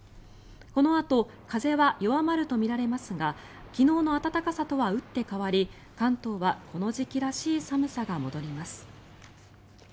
このあと風は弱まるとみられますが昨日の暖かさとは打って変わり関東はこの時期らしい寒さが戻ります。